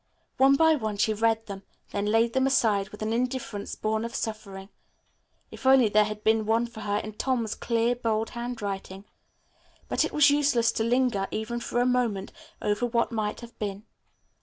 One by one she read them, then laid them aside with an indifference born of suffering. If only there had been one for her in Tom's clear, bold handwriting. But it was useless to linger, even for a moment, over what might have been.